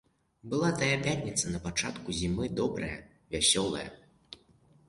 Была тая пятніца на пачатку зімы, добрая, вясёлая.